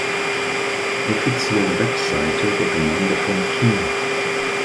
Offizielle Webseite der Gemeinde von King